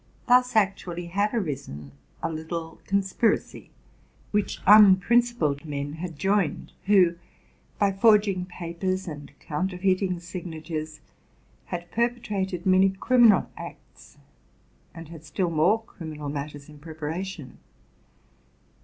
Thus actually had arisen a little con spiracy, which unprincipled men had joined, who, by forging papers and counterfeiting signatures, had perpetrated many criminal acts, and had still more criminal matters in prepa ration.